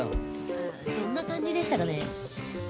ああどんな感じでしたかね？